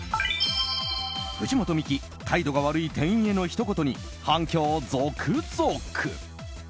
藤本美貴、態度が悪い店員へのひと言に反響続々。